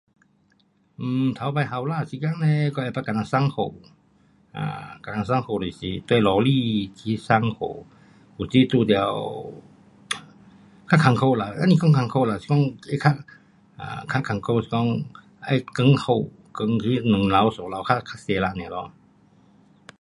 呃，头次年轻时间嘞，我有曾给人送货，啊，给人送货那时，跟罗厘去送货，有时做到较困苦啦，不也讲困苦啦，是讲它较，较困苦是讲，得扛货，扛到二楼三楼，较，较吃力尔咯。